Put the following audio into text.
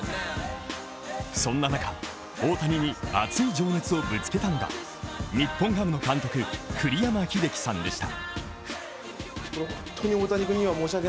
そんな中、大谷に熱い情熱をぶつけたのが日本ハムの監督・栗山英樹さんでした。